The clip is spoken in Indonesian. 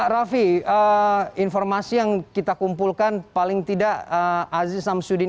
raffi informasi yang kita kumpulkan paling tidak aziz samsudin